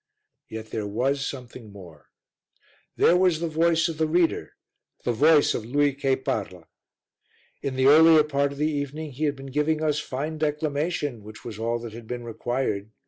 Yet there was something more; there was the voice of the reader the voice of "Lui che parla." In the earlier part of the evening he had been giving us fine declamation, which was all that had been required.